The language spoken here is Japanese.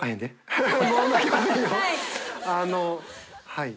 はい。